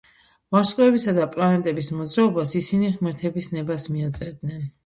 ვარსკვლავებისა და პლანეტების მოძრაობას ისინი ღმერთების ნებას მიაწერდნენ.